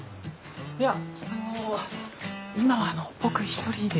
いやあの今はあの僕一人で。